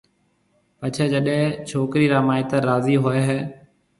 پڇيَ جڏَي ڇوڪرِي را مائيتر راضي ھوئيَ ھيَََ